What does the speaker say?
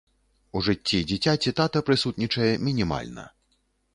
У жыцці дзіцяці тата прысутнічае мінімальна.